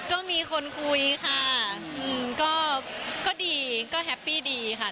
ก็มีคนคุยค่ะก็ดีก็แฮปปี้ดีค่ะ